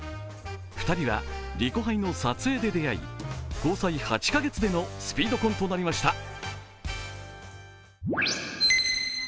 ２人は「リコハイ！！」の撮影で出会い、交際８カ月でのスピード婚となりました。